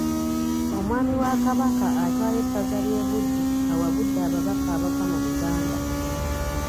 Omwami wa Kabaka atwala essaza ly’e Buddu awabudde ababaka abava mu Buganda .